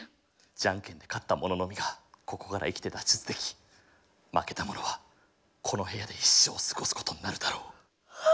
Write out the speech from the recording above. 「じゃんけんで勝った者のみがここから生きて脱出でき負けた者はこの部屋で一生を過ごすことになるだろう。